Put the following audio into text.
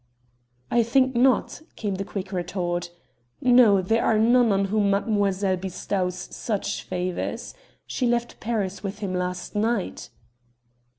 "I think not," came the quick retort. "No; there are none on whom mademoiselle bestows such favours. She left Paris with him last night."